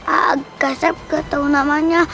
a'a gasep ketemu namanya